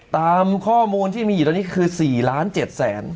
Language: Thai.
ตามข้อมูลที่มีอยู่ตอนนี้คือ๔ล้าน๗แสน